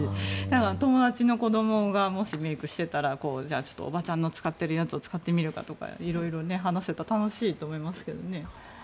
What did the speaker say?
友達の子どもがもし、メイクしていたらじゃあ、おばちゃんの使っているやつを使ってみるかとか色々話すと楽しいと思いますけどね。